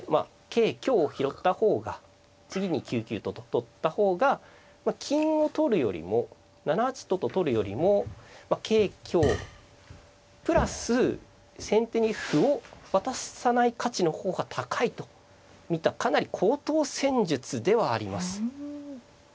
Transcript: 桂香を拾った方が次に９九とと取った方が金を取るよりも７八とと取るよりも桂香プラス先手に歩を渡さない価値の方が高いと見たかなり高等戦術ではあります。